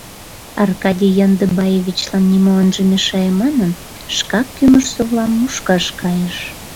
Аркадий Яндыбаевичлан нимо ынже мешае манын, шкак кӱмыж-совлам мушкаш кайыш.